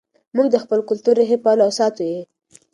موږ د خپل کلتور ریښې پالو او ساتو یې.